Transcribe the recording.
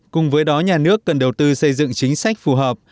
cùng với đó nhà nước cần đầu tư xây dựng chính sách phù hợp